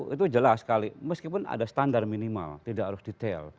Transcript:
itu jelas sekali meskipun ada standar minimal tidak harus detail